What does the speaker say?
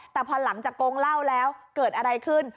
แต่พอหลังจากโกงเหล้าแล้วเกิดอะไรขึ้น